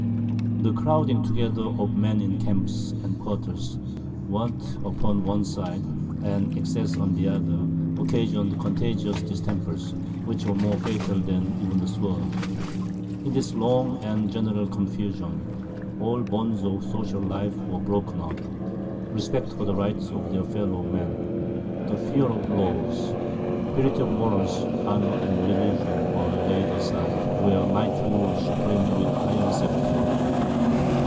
The crowding together of men in camps and quarters want upon one side, and excess on the other, occasioned contagious distempers, which were more fatal than even the sword. In this long and general confusion, all the bonds of social life were broken up; respect for the rights of their fellow men, the fear of the laws, purity of morals, honour, and religion, were laid aside, where might ruled supreme with iron sceptre.